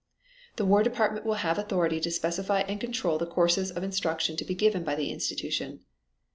The War Department will have authority to specify and control the courses of instruction to be given by the institution.